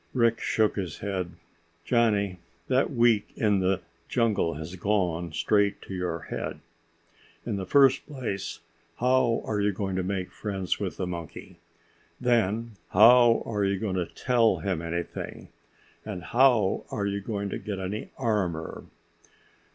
Rick shook his head. "Johnny, that week in the jungle has gone straight to your head. In the first place, how are you going to make friends with the monkey? Then how are you going to tell him anything? And how are you going to get any armor?"